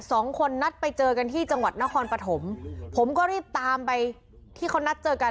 สองคนนัดไปเจอกันที่จังหวัดนครปฐมผมก็รีบตามไปที่เขานัดเจอกัน